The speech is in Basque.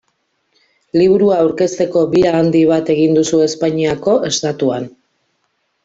Liburua aurkezteko bira handi bat egin duzu Espainiako Estatuan.